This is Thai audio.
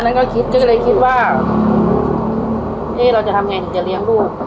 เพราะฉะนั้นก็คิดคือเลยคิดว่าเอ๊ะเราจะทำไงถึงจะเลี้ยงลูก